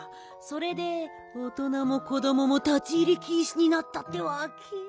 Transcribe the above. それで大人も子どもも立ち入りきんしになったってわけ。